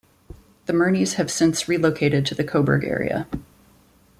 The Murneys have since relocated to the Cobourg area.